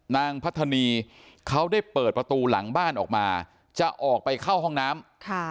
นางพัฒนีเขาได้เปิดประตูหลังบ้านออกมาจะออกไปเข้าห้องน้ำ